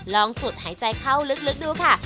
สุดหายใจเข้าลึกดูค่ะ